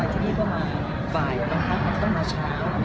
แต่ที่นี่ก็มาปล่อยอย่างเมื่อง้ายเขามาเช้าอะมีไง